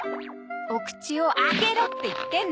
お口を開けろって言ってんの！